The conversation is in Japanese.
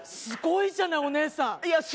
すごいじゃないお姉さん。